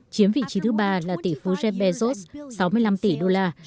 chiếm vị trí thứ ba là tỷ phú jeb bezos sáu mươi năm tỷ đô la